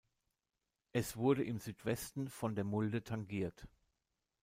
Es wurde im Südwesten von der Mulde tangiert.